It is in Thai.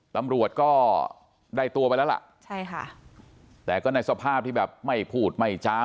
ตำรวจก็ได้ตัวไปแล้วล่ะใช่ค่ะแต่ก็ในสภาพที่แบบไม่พูดไม่จ้า